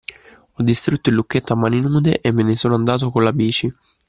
Ho distrutto il lucchetto a mani nude e me ne sono andato con la bici.